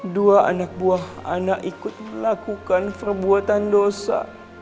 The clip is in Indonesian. dua anak buah anak ikut melakukan perbuatan dosa